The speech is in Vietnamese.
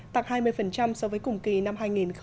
tặng hai mươi so với cùng kỳ năm hai nghìn một mươi bảy